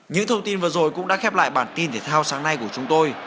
những thông tin vừa rồi cũng đã khép lại bản tin thể thao sáng nay của chúng tôi